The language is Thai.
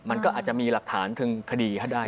มันก็อาจจะมีหลักฐานถึงคดีถ้าได้ครับ